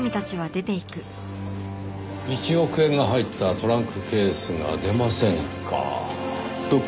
１億円が入ったトランクケースが出ませんか。